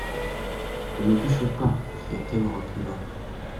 Ne me touchez pas ! cria-t-elle en reculant.